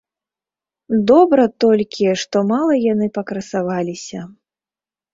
Добра толькі, што мала яны пакрасаваліся.